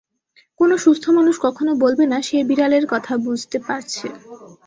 কোনো সুস্থ মানুষ কখনো বলবে না, সে বিড়ালের কথা বুঝতে পারছে।